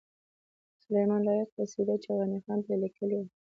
د سلیمان لایق قصیده چی غنی خان ته یی لیکلې وه